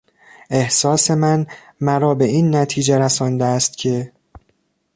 احساس من مرا به این نتیجه رسانده است که...